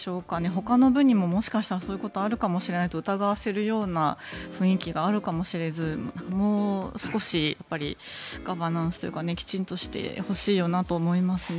ほかの部にももしかしたらそういうことがあるかもしれないと疑わせるような雰囲気があるかもしれずもう少しガバナンスとかきちんとしてほしいよなと思いますね。